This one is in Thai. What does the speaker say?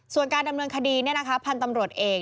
ส่วนการดำเนินคดีเนี่ยนะคะพันธุ์ตำรวจเอก